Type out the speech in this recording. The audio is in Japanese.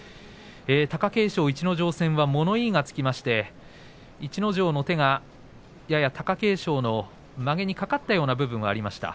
貴景勝、逸ノ城戦は物言いがつきまして逸ノ城の手がやや貴景勝のまげにかかったような部分がありました。